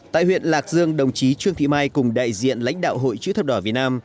tại huyện lạc dương đồng chí trương thị mai cùng đại diện lãnh đạo hội chữ thập đỏ việt nam